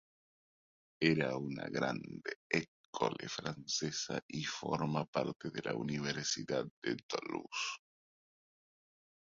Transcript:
Es una "Grande École" francesa y forma parte de la Universidad de Toulouse.